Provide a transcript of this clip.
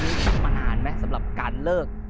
นึกเจ้ามานานมั้ยสำหรับการเลิก